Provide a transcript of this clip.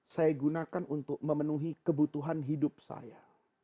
saya gunakan untuk memenuhi kebutuhan hidup saya